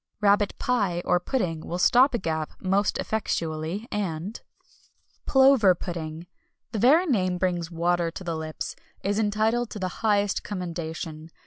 RABBIT PIE, or Pudding, will stop a gap most effectually, and Plover Pudding the very name brings water to the lips is entitled to the highest commendation.